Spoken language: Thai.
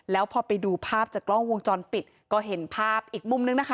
แล้วพอไปดูภาพจากกล้องวงจรปิดก็เห็นภาพอีกมุมนึงนะคะ